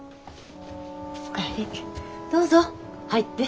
どうぞ入って。